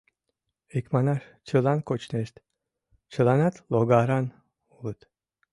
Икманаш, чылан кочнешт, чыланат логаран улыт.